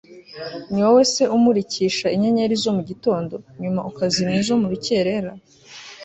ni wowe se umurikisha inyenyeri zo mu gitondo, nyuma ukazimya izo mu rukerera